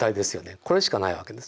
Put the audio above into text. これしかないわけです。